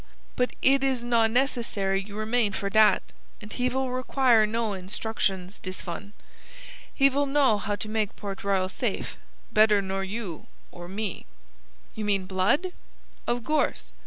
But id is not necessary you remain for dat. And he vill require no insdrucshons, dis one. He vill know how to make Port Royal safe, bedder nor you or me." "You mean Blood?" "Of gourse.